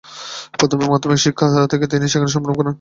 প্রাথমিক ও মাধ্যমিক শিক্ষা তিনি সেখানে সম্পন্ন করেন।